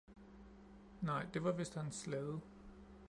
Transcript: Nej, det var vist hans slæde